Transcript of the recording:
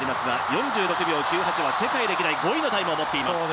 ４６秒９８の世界歴代５位のタイムを持っています。